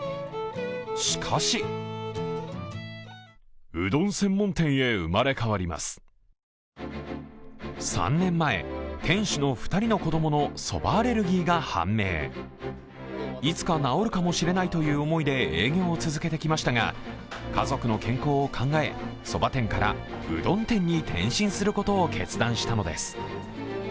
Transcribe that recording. しかし３年前、店主の２人の子供のそばアレルギーが判明、いつか治るかもしれないという思いで営業を続けてきましたが家族の健康を考えそば店からうどん店に転身することを決断したのです。